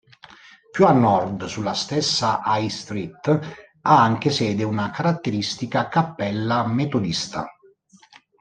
Più a nord, sulla stessa High Street, ha anche sede una caratteristica cappella Metodista.